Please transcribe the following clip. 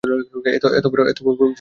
এত বড় খবর ছেলেকে বলেন নি?